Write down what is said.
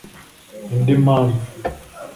Indi mpamvu